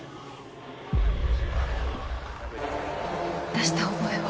出した覚えは。